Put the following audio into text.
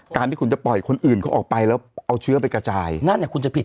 ที่คุณจะปล่อยคนอื่นเขาออกไปแล้วเอาเชื้อไปกระจายนั่นคุณจะผิด